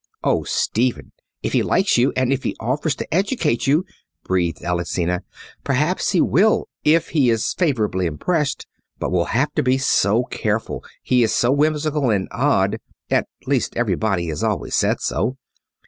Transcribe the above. "Oh, Stephen, if he likes you, and if he offers to educate you!" breathed Alexina. "Perhaps he will if he is favourably impressed. But we'll have to be so careful, he is so whimsical and odd, at least everybody has always said so.